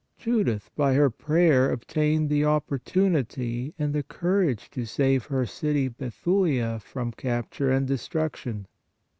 Judith by her prayer obtained the opportun POWER OF PRAYER 31 ity and the courage to save her city Bethulia from capture and destruction.